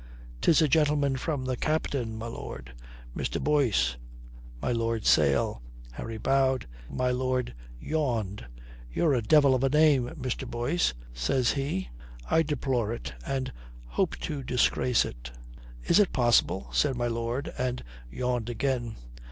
"'Tis a gentleman from the captain, my lord. Mr. Boyce, my Lord Sale." Harry bowed. My lord yawned. "You've a devil of a name, Mr. Boyce," says he. "I deplore it, and hope to disgrace it." "Is it possible?" said my lord, and yawned again.